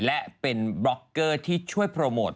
และเป็นบล็อกเกอร์ที่ช่วยโปรโมท